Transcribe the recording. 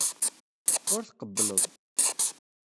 Ur tqebbleḍ.